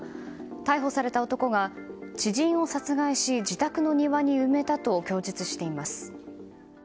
逮捕された男が知人を殺害し自宅の庭に埋めたと供述しています。